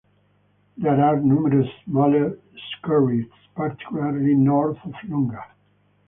There are numerous smaller skerries, particularly north of Lunga.